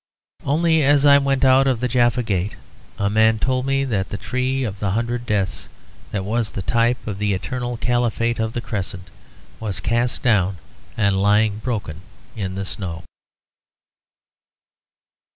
Only as I went out of the Jaffa Gate, a man told me that the tree of the hundred deaths, that was the type of the eternal Caliphate of the Crescent, was cast down and lying broken in the snow.